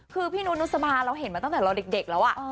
คือพี่นุษนุสบาเราเห็นมาตั้งแต่เราเด็กแล้ว